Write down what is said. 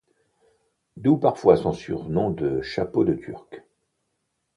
D'où parfois son surnom de chapeau de Turc.